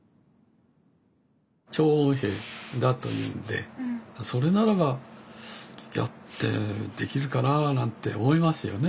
聴音兵だというんでそれならばやってできるかななんて思いますよね。